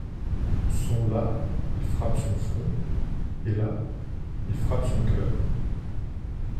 Sont là — Il frappe son front. et là — Il frappe son cœur.